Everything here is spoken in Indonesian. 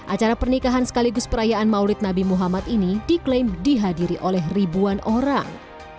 acara pernikahan sekaligus perayaan maulid nabi muhammad ini diklaim dihadiri oleh ribuan orang